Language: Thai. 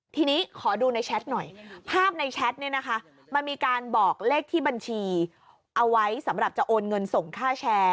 ทีนี้ขอดูในแชทหน่อยภาพในแชทเนี่ยนะคะมันมีการบอกเลขที่บัญชีเอาไว้สำหรับจะโอนเงินส่งค่าแชร์